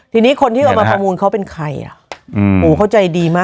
ทีนี้คนที่เอามาประมูลเขาเป็นใครอ่ะอืมโอ้เขาใจดีมาก